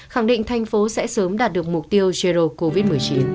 khẳng định thành phố sẽ sớm đạt được mục tiêu erdo covid một mươi chín